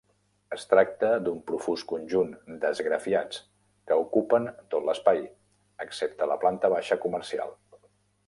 Es tracta d'un profús conjunt d'esgrafiats que ocupen tot l'espai, excepte la planta baixa comercial.